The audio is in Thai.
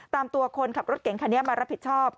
ตามตัวคนขับรถเก่งคันนี้มารับผิดชอบ